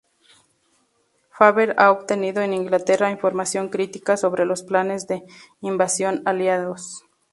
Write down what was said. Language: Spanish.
Faber ha obtenido en Inglaterra información crítica sobre los planes de invasión aliados.